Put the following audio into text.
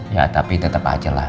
ya tapi tetap aja lah